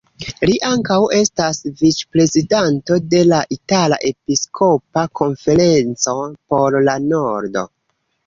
Li ankaŭ estas vic-prezidanto de la Itala Episkopa Konferenco por la Nordo.